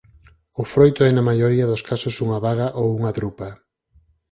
O froito é na maioría dos casos unha baga ou unha drupa.